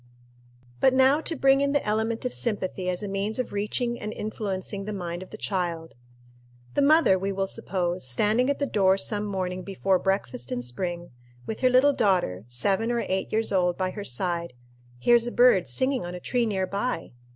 But now to bring in the element of sympathy as a means of reaching and influencing the mind of the child: The mother, we will suppose, standing at the door some morning before breakfast in spring, with her little daughter, seven or eight years old, by her side, hears a bird singing on a tree near by.